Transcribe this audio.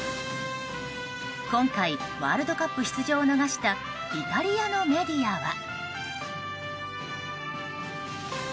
今回、ワールドカップ出場を逃したイタリアのメディアは。